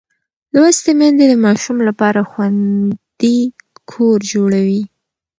لوستې میندې د ماشوم لپاره خوندي کور جوړوي.